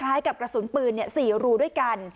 คล้ายกับกระสุนปืนสี่รูด้วยกัน